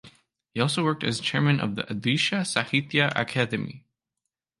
He also worked as chairman of Odisha Sahitya Akademi.